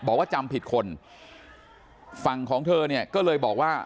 บอกว่าจำผิดคนฝั่งของเธอเนี่ยก็เลยบอกว่า